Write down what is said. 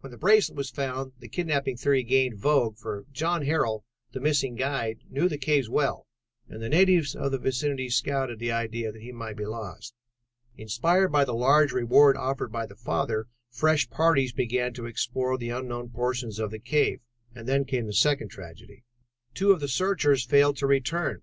"When the bracelet was found, the kidnapping theory gained vogue, for John Harrel, the missing guide, knew the cave well and natives of the vicinity scouted the idea that he might be lost. Inspired by the large reward offered by the father, fresh parties began to explore the unknown portions of the cave. And then came the second tragedy. Two of the searchers failed to return.